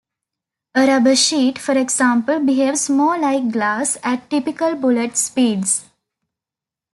A rubber sheet, for example, behaves more like glass at typical bullet speeds.